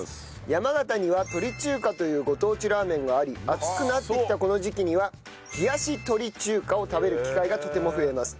山形には鳥中華というご当地ラーメンがあり暑くなってきたこの時期には冷やし鳥中華を食べる機会がとても増えます。